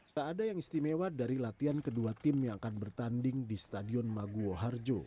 tak ada yang istimewa dari latihan kedua tim yang akan bertanding di stadion maguwo harjo